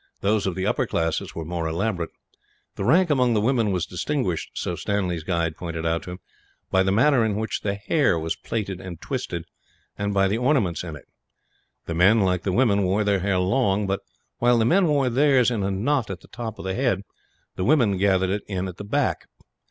Those of the upper classes were more elaborate. The rank among the women was distinguished, so Stanley's guide pointed out to him, by the manner in which the hair was plaited and twisted, and by the ornaments in it. The men, like the women, wore their hair long but, while the men wore theirs in a knot at the top of the head, the women gathered it in at the back.